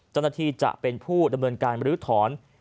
จะเป็นผู้ดำเนินการบรื้อถอน